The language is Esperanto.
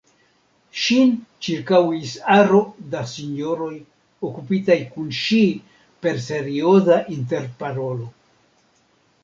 Ŝin ĉirkaŭis aro da sinjoroj, okupitaj kun ŝi per serioza interparolo.